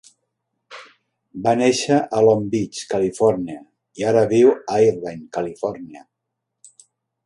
Va néixer a Long Beach (Califòrnia) i ara viu a Irvine (Califòrnia).